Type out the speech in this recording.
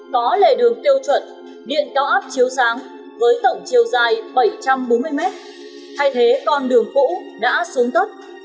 có lề đường tiêu chuẩn điện cao áp chiếu sáng với tổng chiều dài bảy trăm bốn mươi mét thay thế con đường cũ đã xuống cấp